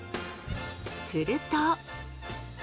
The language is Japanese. すると。